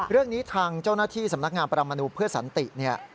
เรื่องนี้ทางเจ้าหน้าที่สำนักงานประมาณมนุษย์เพื่อสันติ